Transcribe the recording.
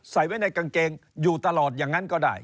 ใส่ไว้ในกางเกงอยู่ตลอดอย่างนั้นก็ได้